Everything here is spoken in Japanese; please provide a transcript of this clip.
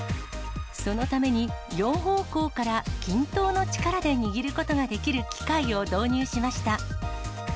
そのために、４方向から均等の力で握ることができる機械を導入しました。